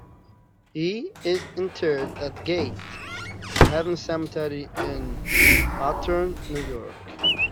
He is interred at Gate of Heaven Cemetery in Hawthorne, New York.